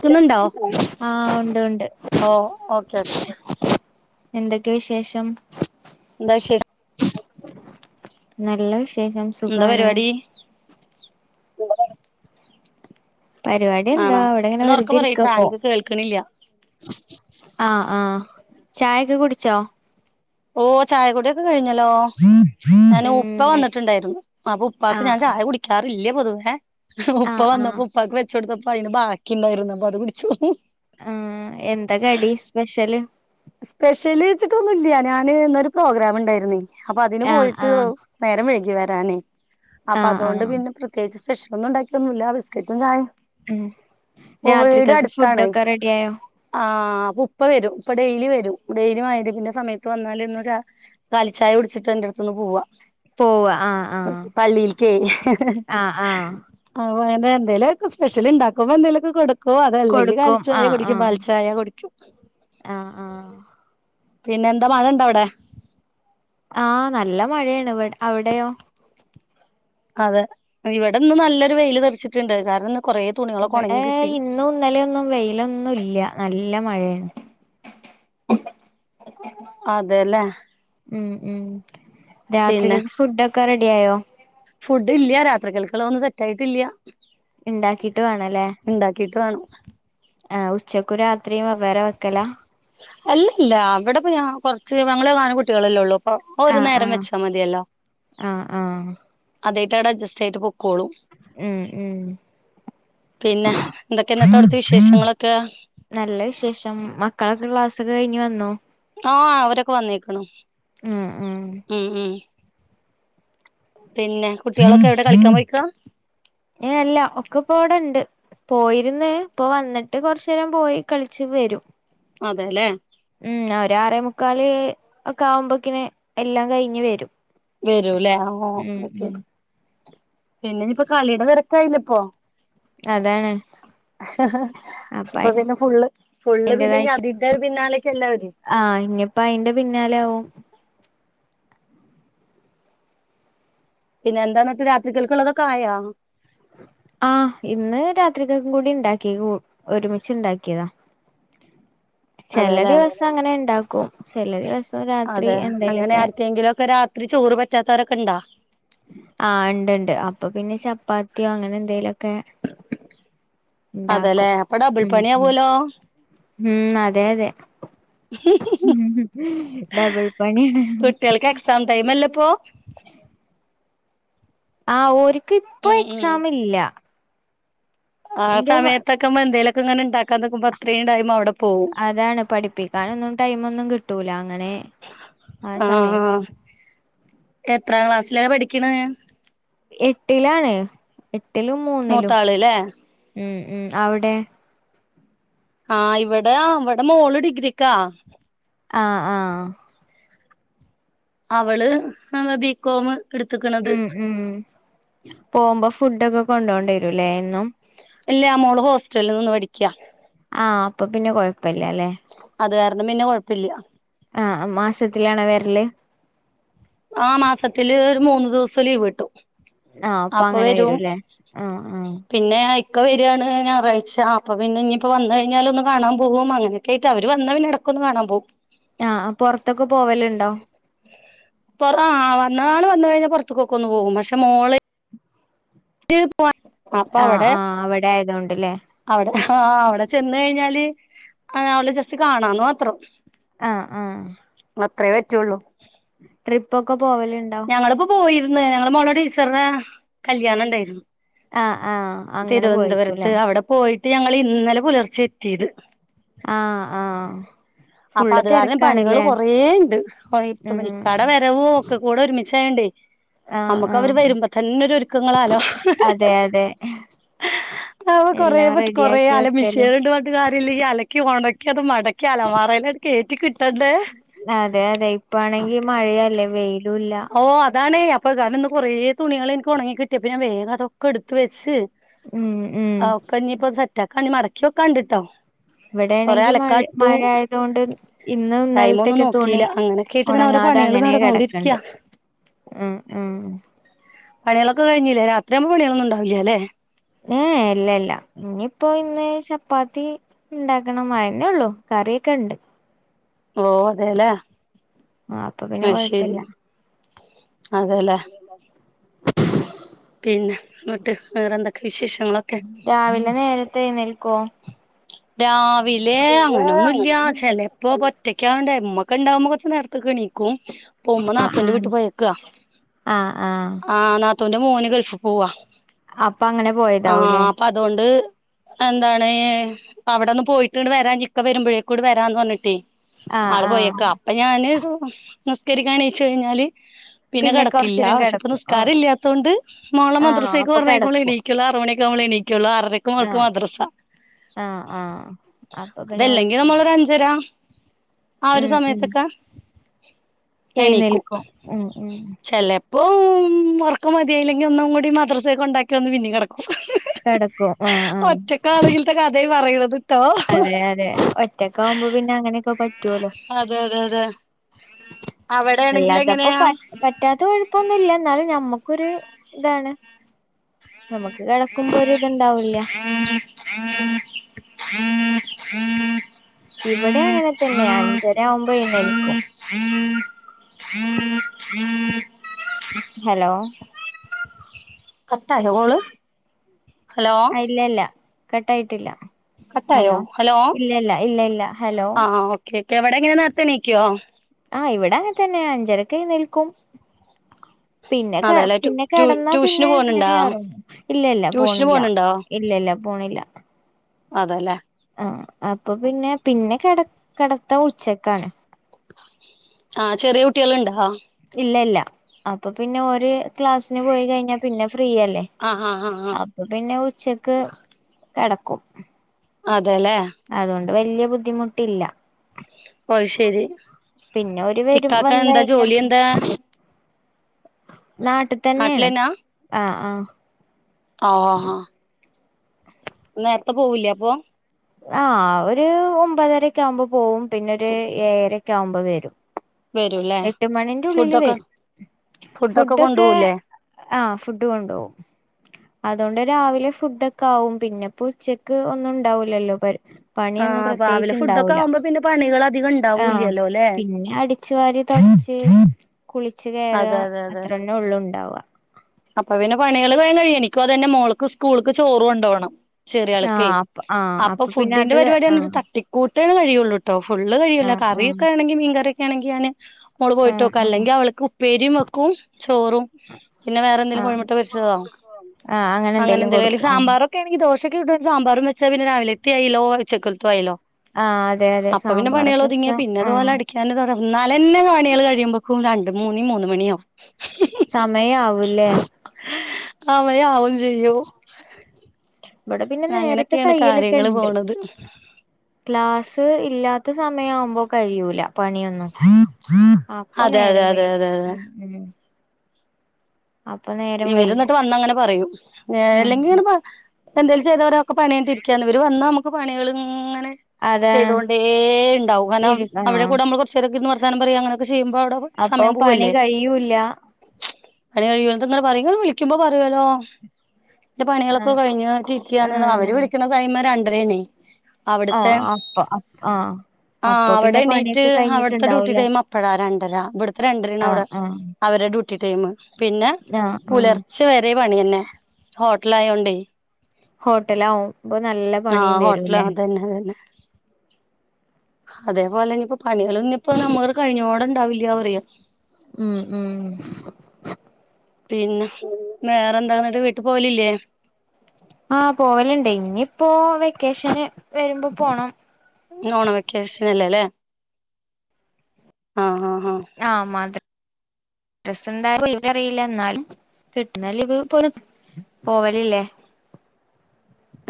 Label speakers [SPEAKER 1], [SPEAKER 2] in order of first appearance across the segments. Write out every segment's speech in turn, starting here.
[SPEAKER 1] ക്കുന്നുണ്ടോ
[SPEAKER 2] ആഹ് ഒണ്ട് ഒണ്ട്
[SPEAKER 1] ഓ ഓക്കെ ഓക്കെ
[SPEAKER 2] എന്ത് ഒക്കെ വിശേഷം
[SPEAKER 1] എന്താ വിശേഷം
[SPEAKER 2] നല്ല വിശേഷം
[SPEAKER 1] എന്താ
[SPEAKER 2] സുഖാണ്
[SPEAKER 1] പരിപാടി
[SPEAKER 2] പരിപാടി എന്താ
[SPEAKER 1] ആണോ
[SPEAKER 2] വെടെങ്ങനെ
[SPEAKER 1] ഒന്ന് ഒറക്കെ പറയിട്ടാ
[SPEAKER 2] വെറുതിരിക്കപ്പൊ
[SPEAKER 1] എനിക്ക് കേൾക്കണില്ല
[SPEAKER 2] ആഹ് ആഹ് ചായക്കെ കുടിച്ചോ?
[SPEAKER 1] ഓഹ് ച്ചായ കുടി ഒക്കെ കഴിഞ്ഞല്ലോ ഞാന് ഉപ്പ വന്നിട്ട്ണ്ടായിരുന്നു അപ്പൊ ഉപ്പാക്ക് ഞാൻ ചായ കുടി കാറില്ല്യ പൊതുവെ ഉപ്പ വന്നപ്പോ ഉപ്പാക്ക് വെ ച്ചൊടുത്തപ്പയിന് ബാക്കി ണ്ടായിരുന്നു അപ്പത് കുടിച്ചു
[SPEAKER 2] ആഹ് എന്ത കടി സ് പെഷല്
[SPEAKER 1] സ്പെഷ്യല് ച്ചിട്ടൊന്നുല്ല ഞാന് ന്നൊരു പ്രോഗ്രാമുണ്ടായിരുന്നേ അപ്പതിന് പോയിട്ട് നേരം വഴുകി വരാനേ അപ്പതോണ്ട് പിന്നെ പ്ര ത്യേകിച്ച് സ്പെഷ്യലൊന്നു ണ്ടാക്ക്യൊന്നുല്ല ബിസ്ക്കറ്റും ചായെം
[SPEAKER 2] ഉം രാത്രിക്കക്ക് ഫുഡ്ഡൊക്കെ റെഡിയായോ?
[SPEAKER 1] ആഹ് പു പ്പ വരും ഉപ്പ ഡെയിലി വരും ഡെയിലി മയിരിബിന്റെ സമയത്ത് വന്നാല്ന്ന് ചാ കാലിച്ചായ കുടിച്ചിട്ടാന്റെടുത്തുന്ന് പോവാ അസ് പള്ളീൽക്കെ ആവാനേ ന്തേലൊക്കെ സ്പെഷ്യലു ണ്ടാക്കു അപ്പ ന്തേലൊക്കെ കൊടു ക്കോ അതല്ലെങ്കി കാലിച്ചായേ കുടിക്കും പാൽച്ചായേ കുടിക്കും
[SPEAKER 2] ആഹ് ആഹ്
[SPEAKER 1] പിന്നെന്താ മഴ ണ്ടവിടെ?
[SPEAKER 2] ആഹ് നല്ല മഴയാണിവ്ട അവിടെയോ?
[SPEAKER 1] അതെ ഇവിടന്ന് നല്ലൊരു വെയില് തെറിച്ചിട്ടുണ്ട് കാരണം ന്ന് കൊറേ തുണികളൊക്കൊണങ്ങി കിട്ടി
[SPEAKER 2] ന്നലെയൊന്നും വെയിലൊന്നുല്ല നല്ല മഴയാണ്
[SPEAKER 1] അതേല്ലേ
[SPEAKER 2] ഉം ഉം രാത്രിക്കക്ക് ഫുഡൊക്കെ റെഡിയായോ?
[SPEAKER 1] ഫുഡ്ഡില്ല രാത്രിക്കൾക്കള്ളഒന്നും സെറ്റായിട്ടില്ല്യ
[SPEAKER 2] ഇണ്ടാക്കീട്ട് വേണല്ലേ
[SPEAKER 1] ഇണ്ടാക്കീട്ട് വേണം
[SPEAKER 2] ഏഹ് ഉച്ചക്കു രാത്രിയും വെവ്വേറെ വെക്കലാ?
[SPEAKER 1] അല്ലല്ല വിടെപ്പ ഞാ കൊർച്ച് ഞങ്ങള് നാല് കുട്ടികളല്ലേ ഉള്ളു പ്പ ഒരു നേരം വെച്ചാ മതിയല്ലോ അതേയ്ട്ടാടഡ്ജസ്റ്റ് ചെയ്ത് പോം
[SPEAKER 2] ഏഹ് ഏഹ്
[SPEAKER 1] പിന്ന ന്തൊക്കെന്നിട്ടാവിടുത്തെ വിശേഷങ്ങളൊക്കെയാ?
[SPEAKER 2] നല്ല വിശേഷം മക്കളൊക്കെ ക്ലാസ് കഴിഞ്ഞ് വന്നോ?
[SPEAKER 1] ആഹ് അവരൊക്കെ വന്നേക്കണു ഉം ഉം പിന്നെ കുട്ടികളൊക്കെവിടെ കളിക്കാ മ്പോയിക്കാ?
[SPEAKER 2] ഏഹ് അല്ല ഒക്കപ്പവ്ട്ണ്ട്. പോയിര്ന്ന് പ്പൊ വന്നിട്ട് കൊർച്ചേരം പോയി കളിച്ച് വരും
[SPEAKER 1] അതേലേ
[SPEAKER 2] ഉം ഒരാറേ മുക്കാല് ഒക്കാവുമ്പക്ക്ന് എല്ലാം കയിഞ്ഞ് വരും
[SPEAKER 1] വരൂലേ ആ ഓക്കേ [unintelligible] പിന്നെനിപ്പ കളീടെ തെരക്കായില്ലെ പ്പൊ
[SPEAKER 2] അതാണ്
[SPEAKER 1] അപ്പൊ പിന്നെ ഫുള്ള് ഫുള്ള് പിന്നെനി അതീന്റെ പിന്നാലേക്കല്ലേ അവര്
[SPEAKER 2] ആഹ് ഇനിപ്പഅയിന്റെ പിന്നാലെയാവും
[SPEAKER 1] പിന്നെന്താന്നത്തെ രാത്രിക്കൽക്കുള്ളതൊക്കായോ?
[SPEAKER 2] ആഹ് ഇന്ന് രാത്രിക്കേക്കും കൂടി ണ്ടാക്കി ഗൂ ഒരുമിച്ചുണ്ടാക്കിയതാ ചെല
[SPEAKER 1] അതെല്ലെ
[SPEAKER 2] ദിവസങ്ങനെ ഉണ്ടാ ക്കും ചെല ദിവസം രാത്രി എന്തേലെ ക്കെ
[SPEAKER 1] എന്തെങ്കിലൊക്കെ രാ ത്രി ചോറ് പറ്റാത്തവരക്കെഉണ്ടാ?
[SPEAKER 2] ആഹ് ഇണ്ട്ണ്ട് അപ്പൊ പിന്നെ ശ പ്പാത്തിയോ അങ്ങനെന്തേലൊക്കെ
[SPEAKER 1] അതല്ലേ അപ്പൊ ഡബിൾ പണിയാവുല്ലോ
[SPEAKER 2] ഹും അതെ അതെ ഡബിൾ പണിയ
[SPEAKER 1] കുട്ടികൾക്ക് എക്സാം ടൈം അല്ലേപ്പോ?
[SPEAKER 2] ആഹ് ഓരുക്കു ഇപ്പൊ
[SPEAKER 1] ഉം ഉം
[SPEAKER 2] എക്സാം ഇല്ല
[SPEAKER 1] ആ സമയത്തൊക്കെ് മ്മ എന്തേലൊക്കെ ങ്ങനൊണ്ടാക്കാ നോക്കുമ്പോ അത്രയും ഉണ്ടായും അവിടെ പോവും
[SPEAKER 2] അതാണ് പഠിപ്പിക്കാനൊന്നും ടൈം ഒന്നും കിട്ടൂല അങ്ങനെ
[SPEAKER 1] ആഹ് ഹാ എത്രാം ക്ലാസ്സില പഠിക്കണെ
[SPEAKER 2] എട്ടിലാണ് എട്ടിലും മൂന്നിലും
[SPEAKER 1] മൂത്താള്ല്ലേ
[SPEAKER 2] ഉം ഉം അവിടെ
[SPEAKER 1] ആഹ് ഇവിടെ ഇവിടെ മോള് ഡിഗ്രിക്കാ
[SPEAKER 2] ആഹ് ആഹ്
[SPEAKER 1] അവള് ബികോംമ്
[SPEAKER 2] ഉം ഉം പോകുമ്പോ ഫുഡൊക്കെ കൊണ്ട പോണ്ടി വരൂല്ലേ എന്നും
[SPEAKER 1] ഇല്ല മോള് ഹോസ്റ്റലിൽ നിന്ന് പഠിക്കുവ
[SPEAKER 2] ആഹ് അപ്പൊ പിന്നെ കുഴപ്പില്ല അല്ലേ
[SPEAKER 1] അത് കാരണം പിന്നെ കുഴപ്പമില്ല
[SPEAKER 2] ആഹ് മാസത്തിലണോ വരല്
[SPEAKER 1] ആഹ് മാസത്തില് ഒരു മൂന്ന് ദിവസം ലീവ് കിട്ടും
[SPEAKER 2] ആഹ് അപ്പൊ അങ്ങനെ വരൂല്ലേ ആഹ് ആഹ്
[SPEAKER 1] പിന്നെ ഇക്ക വര്കാണ് ഞായറാഴ്ച അപ്പൊ പിന്നെ ഇനിയിപ്പോ വന്നു കഴിഞ്ഞാലൊന്ന് കാണാൻ പോും അങ്ങനെ കേട്ടാ അവര് വന്ന പിന്നെടക്കൊന്ന് കാണാൻ പോവും
[SPEAKER 2] ആഹ് പുറത്തൊക്കെ പോവലുണ്ടോ
[SPEAKER 1] പുറ ആഹ് വന്നാള് വന്നു കഴിഞ്ഞാൽ പുറത്തക്കൊക്കെ ഒന്ന് പോകും പക്ഷെ മോള് [unintelligible]
[SPEAKER 2] ആഹ് ആഹ് അവിടെ ആയത് കൊണ്ട്ല്ലേ
[SPEAKER 1] അവിടെ ആഹ് അവിടെ ചെന്ന് കഴിഞ്ഞാല് അവള് ജസ്റ്റ് കാണാന്ന് മാത്രം
[SPEAKER 2] ആഹ് ആഹ്
[SPEAKER 1] അത്രേ പറ്റുള്ളൂ
[SPEAKER 2] ട്രിപ്പ് ഒക്ക പോവലുണ്ടോ
[SPEAKER 1] ഞങ്ങളിപ്പോ പോയിര്ന്ന് ഞങ്ങളെ മോളെ ടീച്ചറടെ കല്യാണം ഉണ്ടായിരുന്നു
[SPEAKER 2] ആഹ് ആഹ് അങ്ങനെ പോയിക്കൂല്ലേ
[SPEAKER 1] തിരുവനന്തപുരത്ത് അവിടെ പോയിട്ട് ഞങ്ങള് ഇന്നലെ പുലർച്ചെത്തിയത്
[SPEAKER 2] ആഹ് ആഹ്
[SPEAKER 1] അപ്പൊ അത് കാരണം പണികള് കൊറേ ഉണ്ട് ഇപ്പ ഇക്കാടെ വരവൂ ഒക്കെ കൂടെ ഒരുമിച്ചായോണ്ടേ നമ്മുക്ക് അവര് വരുമ്പോ തന്നെ ഒരുക്കങ്ങളാലോ അപ്പ കൊറേ കൊറേ ആലം മിസ്സ്‌ ചെയ്തോണ്ട് വ ഞ്ഞിട്ട് കാര്യല്ല ഈ അലക്കി ഒണക്കി അത് മടക്കി അലമാറേലത് കയറ്റി കിട്ടണ്ടേ
[SPEAKER 2] അതെ അതെ ഇപ്പ ആണെങ്കിൽ മഴയല്ലേ വെയിലുംല്ല
[SPEAKER 1] ഓ അതാണ് അപ്പ അത് കാരണം ഇന്ന് കുറേ തുണികൾ എനിക്ക് ഉണങ്ങി കിട്ടിയപ്പ ഞാൻ വേഗം അതൊക്കെ എടുത്ത് വെച്ച് ആ ഒക്കെ ഞ്ഞിപ്പൊ സെറ്റാക്ക ഞ്ഞി മടക്യെക്കാണ്ട് ട്ടോ കൊറെ അലക്കാ ഇട്ടു ടൈമൊന്നും നോക്കില്ല അങ്ങനെ കീട്ട് ങ്ങനെ ഓരോ പണ്യാള് നടന്നോണ്ടിരിക്ക പണ്യാളൊക്കെ കഴിഞ്ഞില്ലേ രാത്രിയാവുമ്പോ പണ്യാളൊന്നുണ്ടാവില്ല ല്ലേ
[SPEAKER 2] ഏ ഇല്ല ല്ല ഇനിയിപ്പോ ഇന്ന് ചപ്പാത്തി ണ്ടാക്കണം അതെന്നൊള്ളു കറിയൊക്കെണ്ട്
[SPEAKER 1] ഓ അതെല്ലേ അത് ശെരി അതെല്ലേ പിന്നെ ന്ന്ട്ട് വേറെന്തൊക്കെ വിശേഷങ്ങളൊക്കെ
[SPEAKER 2] രാവിലെ നേരത്തെ എഴ്ന്നേൽക്കോ
[SPEAKER 1] രാവിലെ അങ്ങനൊന്നുല്ല ചെലേപ്പോ പത് ഒറ്റക്കായാണ്ടെ മ്മക്കെണ്ടാവുമ്പോ കൊർച്ച് നേരത്തെക്കെണീക്കും പ്പുമ്മ നാത്തൂന്റെ വീട്ടി പോയേക്ക ആഹ് നാത്തൂന്റെ മോന് ഗൾഫ് പോവാ
[SPEAKER 2] അപ്പങ്ങനെ പോയതാവൂല്ലേ
[SPEAKER 1] അതോണ്ട് എ ന്താണ് അവടൊന്ന് പോയിട്ട്ണ്ട് വെരാ ഞ്ഞിക്ക വെരുമ്പഴേക്കൂടെ വെരാന്ന് പർഞ്ട്ടെ ആള് പോയേക്ക അപ്പൊ ഞാന് സു നിസ്കരിക്കാണീച്ചയ്ഞ്ഞാല് പിന്നെ കെടക്കില്ല പക്ഷെ ഇപ്പൊ നിസ്കാരം ഇല്ലാത്തോണ്ട് മോളെ മദ്രസേക്ക് പറഞ്ഞയ്ക്കുമ്പ എണീ ക്ക്ല് ആറ് മണി ക്കാവുമ്പളെ എണീക്കൊള്ളു ആറരക്ക് മോൾക്ക് മദ്രസ
[SPEAKER 2] ആഹ് ആഹ് അപ്പൊ പിന്നെ കൊയ്പ്പല്ല
[SPEAKER 1] അഞ്ചരാ ആ ഒരു സമയത്തൊക്കെ എണീക്കും ചെലേ പ്പം ഒർക്കം മതിയായില്ലെങ്കി ഒന്നും കൂടി മദ്രസേ കൊണ്ടാക്കി വന്ന് പിന്നിം കെട്ക്കും
[SPEAKER 2] കെടക്കും ആഹ് ആഹ്
[SPEAKER 1] [unintelligible] കഥേ പറയ്ണത്
[SPEAKER 2] അതെ അതെ ഒറ്റക്കാവുമ്പോ പിന്നെ അങ്ങനെക്കെ പറ്റോലോ
[SPEAKER 1] അതെ അതെ അതെ അവിടെയാണെങ്കിൽ
[SPEAKER 2] അല്ലാത്തപ്പൊ
[SPEAKER 1] എങ്ങനെയാ
[SPEAKER 2] പറ്റ് പറ്റ് റ്റാത്ത കൊഴപ്പൊന്നുല്ല ന്നാലും ഞമ്മക്കൊര് താണ് ഞമ്മക്ക് കെടക്കുമ്പൊര് ത്ണ്ടാവില്ല
[SPEAKER 1] [inaudible]
[SPEAKER 2] ഇവടേം അങ്ങനെ തന്ന്യ അഞ്ചരാവുമ്പോ എഴുന്നേൽക്കും
[SPEAKER 1] [inaudible]
[SPEAKER 2] ഹലോ
[SPEAKER 1] കട്ടായോ കോള് ഹലോ
[SPEAKER 2] ഇല്ലല്ല കട്ടായിട്ടില്ല ഹലോ ഇല്ലല്ല ഇല്ലല്ല ഹലോ
[SPEAKER 1] [unintelligible] വടെങ്ങനെ നേര്ത്തെണീക്കോ
[SPEAKER 2] ആഹ് ഇവടെ അങ്ങൻ തന്നാ അഞ്ചരക്കെഴ്ന്നേൽക്കും പിന്നെ കെ
[SPEAKER 1] അതെല്ലേ ടു
[SPEAKER 2] പിന്നെ
[SPEAKER 1] ടു
[SPEAKER 2] കെടന്നാ
[SPEAKER 1] ട്യൂഷന്
[SPEAKER 2] പിന്നെ
[SPEAKER 1] പോണുണ്ടോ
[SPEAKER 2] അങ്ങനെഒർങ്ങും ഇല്ലില്ല
[SPEAKER 1] ട്യൂഷന്
[SPEAKER 2] പോണില്ല
[SPEAKER 1] പോണുണ്ടോ
[SPEAKER 2] ഇല്ലല്ല പോണില്ല
[SPEAKER 1] അതെല്ലേ
[SPEAKER 2] ആ അപ്പൊ പിന്നെ പിന്നെ കെട കെടത്തം ഉച്ചക്കാണ്
[SPEAKER 1] ആ ചെറിയ കുട്ട്യാള്ണ്ടോ
[SPEAKER 2] ഇല്ലല്ല അപ്പൊ പിന്നെ ഓര് ക്ലാസിന് പോയി കഴിഞ്ഞാ പിന്നെ ഫ്രീ അല്ലേ
[SPEAKER 1] ആ ആ ആ ആ
[SPEAKER 2] പ്പ പിന്നെ ഉച്ചക്ക് കെടക്കും
[SPEAKER 1] അതെല്ലേ
[SPEAKER 2] അതുകൊണ്ട് വലിയ ബുദ്ധിമുട്ടില്ല
[SPEAKER 1] ഓ ശരി
[SPEAKER 2] പിന്നെ അവര് വരും
[SPEAKER 1] ഇക്കാക്ക
[SPEAKER 2] വന്ന
[SPEAKER 1] എന്താ ജോലി
[SPEAKER 2] കഴിഞ്ഞാല്
[SPEAKER 1] എന്താ
[SPEAKER 2] നാട്ടിതന്നേണ്
[SPEAKER 1] നാട്ടിലെന്നാ
[SPEAKER 2] ആഹ് ആഹ്
[SPEAKER 1] ആഹാ നേരത്തെ പോവില്ല്യ അപ്പൊ
[SPEAKER 2] ആഹ് അവര് ഒമ്പതരക്കെ ആകുമ്പോ പോവും പിന്നെ ഒരു ഏഴരക്കെ ആവുമ്പോ വരും
[SPEAKER 1] വരൂല്ലേ
[SPEAKER 2] എട്ട് മണിന്റെ ഉള്ളില്
[SPEAKER 1] ഫുഡൊക്കെ
[SPEAKER 2] വരും ഫുഡൊക്കെ ആഹ് ഫുഡ് കൊണ്ടുപോവും അതുകൊണ്ട് രാവിലെ ഫുഡക്കെ ആവും പിന്നെപ്പോ ഉച്ചക്ക് ഒന്നും ഉണ്ടാവൂല്ലല്ലോ പണി
[SPEAKER 1] ആ
[SPEAKER 2] പണിയൊന്നും പ്രത്യേകിച്ച്
[SPEAKER 1] രാവിലെ ഫുഡൊക്കെ
[SPEAKER 2] ഇണ്ടാവൂല
[SPEAKER 1] ആവുമ്പോ പിന്നെ പണികൾ അധികം
[SPEAKER 2] ആഹ്
[SPEAKER 1] ഉണ്ടാവൂല്ലല്ലോ ല്ലേ
[SPEAKER 2] പിന്നെ ഞാൻ അടിച്ചു വാരി തോടച്ച് കുളിച്ച് കേറാ
[SPEAKER 1] അതെ അതെ അതെ
[SPEAKER 2] അത്രന്നെള്ള ഉണ്ടാവ
[SPEAKER 1] അപ്പൊ പിന്നെ പണികള് വേഗം കഴിയും എനിക്കും അതെന്നെ മോള്‌ക് സ്കൂളിക്ക് ചോറും കൊണ്ടോണം. ചെറിയ ആള്കെ അപ്പൊ ഫുഡിന്റെ പരിപാടി തട്ടി കൂട്ടിയാലേ കഴിയുള്ളൂട്ടോ ഫുള്ള് കഴിയുല കറിയൊക്കെ ആണെങ്കി മീൻകറിയൊക്കെ ആണെങ്കിൽ ഞാന് മോൾ പോയിട്ട് വെക്കും അല്ലെങ്കിൽ അവൾക്ക് ഉപ്പേരിം വെക്കും ചോറും പിന്നെ വേറെ എന്തെങ്കിലും കോഴിമുട്ട് പൊരിച്ചതോ അങ്ങനെ എന്തെങ്കിലും സാമ്പാറ് ണെങ്ക ദോശക്ക്‌ ഇതു സാമ്പാറുംവെച്ച് പിന്നെ രാവിലെതെയായിലോ ഉച്ചക്കതെയും ആയല്ലോ. അപ്പ പിന്നെ പണികള് ഒതുങ്ങിയ പിന്നെതുപോല അടിക്കി ചിലയിസം എന്നാല്ല്ന്നെ പണികൾ കഴിയുമ്പോക്കും രണ്ട് മൂന്നു മൂന്ന് മണിയാവും
[SPEAKER 2] ചമയാവുലേ
[SPEAKER 1] അമയാവും ചെയ്യൂ
[SPEAKER 2] ഇബടെ പിന്നെ നേരത്തെ
[SPEAKER 1] അങ്ങനെയൊക്കെയാണ് കാര്യങ്ങള്
[SPEAKER 2] കയ്യലൊക്കെണ്ട്
[SPEAKER 1] പോണത്
[SPEAKER 2] ക്ലാസ് ഇല്ലാത്ത സമയാവുമ്പോ കയ്യൂല പണിയൊന്നും അപ്പൊ
[SPEAKER 1] അതെ അതെ
[SPEAKER 2] നേരം
[SPEAKER 1] അതെ
[SPEAKER 2] വൈകും
[SPEAKER 1] അതെ
[SPEAKER 2] ഉം ഉം
[SPEAKER 1] ഇവര്ന്നട്ട് വന്നങ്ങനെ പറയും നേല്ലെങ്കി ങ്ങട്ട് പ എന്തേലും ചെയ്തവരൊക്കെ പണിയേണ്ടിരിക്കണ് ഇവര് വന്നാ നമുക്ക് പണികള്ങ്ങനെ ചെയ്തോണ്ടേണ്ടാവും കാര്ണം അവര്ടെ കൂടെ നമ്മള് കൊറ്ച്ചേരക്കിര് ന്ന് വർത്താനം പറിയ അങ്ങനൊക്കെ ചെയ്യുമ്പോ അവ്ടെ
[SPEAKER 2] അപ്പൊ പണി കയ്യൂല്ല
[SPEAKER 1] ച്ചും പണി കയ്യുല ത്ങ്ങനെ പറിം ങ്ങള് വിളിക്കുമ്പോ പറയോലോ ന്റെ പണികളൊക്കെ കഴിഞ്ഞ് തിരിക്ക്യാ ണ്ന്ന് അവര് വിളിക്കണ ടൈം രണ്ടരേണേ
[SPEAKER 2] ആഹ് അപ്പ അപ് ആഹ്
[SPEAKER 1] ആഹ് അവ്ടെ എണീറ്റ് അവിട്ത്തെ ഡ്യൂട്ടി ടൈം അപ്പഴാ രണ്ടരാ ഇവിട്ത്തെ രണ്ടരാണ് അവിടെ അവരുടെ ഡ്യൂട്ടി ടൈം പിന്നെ പുലർച്ച വരെ പണിയന്നെ ഹോട്ടലായോണ്ടേ ആഹ് ഹോട്ടലാ തന്നെ തന്നെ അതേപോലെ ന്നെ ഇപ്പൊ പണികള് ഞ്ഞുപ്പം ഞമ്മള് കയ്ഞ്ഞോടെണ്ടാവില്ല്യ പറയോ
[SPEAKER 2] ഉം ഉം
[SPEAKER 1] പിന്നെ വേറെന്താന്നട്ട് വീട്ട് പോവലില്ലേ
[SPEAKER 2] ആഹ് പോവല്ണ്ടേ ഇഞ്പ്പോ വെക്കേഷന് വരുമ്പ പോണം
[SPEAKER 1] ങ്ങനെ ഓണം വെക്കേഷനല്ലേ ല്ലേ
[SPEAKER 2] ആഹ് മതി ഡ്രസ്സ്‌ണ്ടാ [unintelligible] റിയില്ല ന്നാലും കിട്ട്ണ ലീവ് പൊയി പോവല് ല്ലേ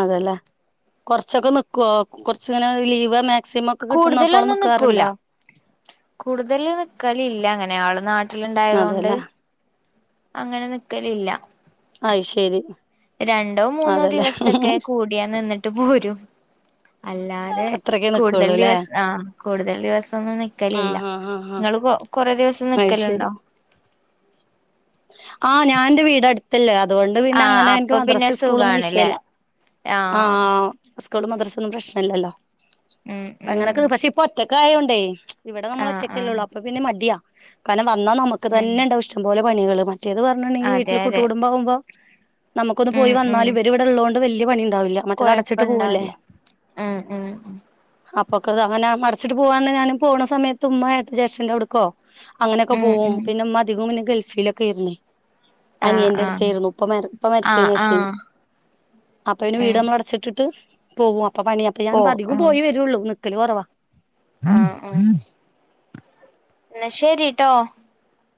[SPEAKER 1] അതെല്ലേ കൊറ്ച്ചൊക്കെ നിക്കോ കൊറ്ച്ച്ങ്ങനെ ലീവെനെ
[SPEAKER 2] കൂട്തലൊന്നും നിക്കൂല കൂടുതല് നിക്കല് ഇല്ല അങ്ങനെ ആള് നാട്ടില്ണ്ടായതോണ്ട്
[SPEAKER 1] അതെല്ലേ
[SPEAKER 2] അങ്ങനെ നിക്കലില്ല
[SPEAKER 1] അയ് ശരി
[SPEAKER 2] രണ്ടോ മൂന്നോ
[SPEAKER 1] അതെല്ലേ
[SPEAKER 2] ദിവസക്കെ കൂടിയാ നിന്നിട്ട് പോരും അല്ലാതെ
[SPEAKER 1] അത്രക്കെ
[SPEAKER 2] കൂടുതല്
[SPEAKER 1] നിക്കുള്ളൂല്ലേ
[SPEAKER 2] ദിവസ് ആഹ് കൂടുതല് ദിവസൊന്നും നിക്കലില്ല
[SPEAKER 1] ആഹ് ആഹ് ആഹ്
[SPEAKER 2] നിങ്ങള് പോ കൊറെ ദിവസം
[SPEAKER 1] ആഹ് അത് ശരി
[SPEAKER 2] നിക്കലിണ്ടോ
[SPEAKER 1] ആഹ് ഞാന്റെ വീടട് ത്തല്ലെ അതുകൊണ്ട് പിന്നെ അങ്ങനെ എൻക്ക് മദ്സയും സ്കൂളൊന്നും വിഷയല്ല ആഹ് സ്കൂളും മദ്രസൊന്നും പ്രശ്നല്ലല്ലോ അങ്ങനെയൊക്കെ പക്ഷെ ഇപ്പൊ ഒറ്റക്കായോണ്ടെ ഇവടെ നമ്മള് ഒറ്റക്കല്ലോള്ളൂ അപ്പം പിന്നെ മടിയാ കാര്ണം വന്നാ നമക്ക് തന്നെ ഇണ്ടാവും ഇഷ്ട്ടം പോലെ പണികള് മറ്റേത് വ അന്നാണെങ്കി വീട്ടില് കൂട്ട് കുടുംബാവുമ്പോ നമുക്കൊന്ന് പോയി വന്നാല് ഇവര് ഇവടെ ഇള്ളോണ്ട് വല്ല്യ പണി ഇണ്ടാവില്ല
[SPEAKER 2] കൊയ്പ്പണ്ടാവില്ല ഉം ഉം
[SPEAKER 1] അപ്പൊക്കത് അങ്ങനെ മടച്ചിട്ട് പോവാന്ന് ഞാനും പോണ സമയത്ത് ഉമ്മ ഏട്ടൻ ജ്യേഠന്റെയവിടേക്കൊ അങ്ങനൊക്കെ പോവും പിന്നെ ഉമ്മ അധികവും പിന്നെ ഗൾഫിലൊക്കെയാര്ന്നേ അനിയന്റെട്ത്തേര്ന്നു ഉപ്പ മരി ഉപ്പ മരിച്ചേനെഷേ അപ്പ വിന്നെ വീട് നമ്മള് അടച്ചി ഇട്ടിട്ട് പോവും അപ്പം പണി അപ്പ ഞാൻ അധികം പോയി വെരുള്ളൂ നിക്കല് കൊറവാ
[SPEAKER 2] ആഹ് ആഹ് എന്ന ശെരീട്ടോ